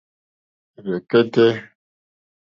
Rzɛ̀kɛ́tɛ́.